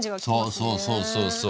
そうそうそうそうそう。